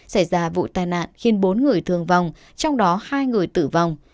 xảy ra vụ tai nạn khiến bốn người thương vong trong đó hai người tử vong